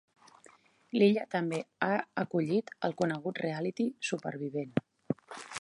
L'illa també ha acollit el conegut reality "Supervivent".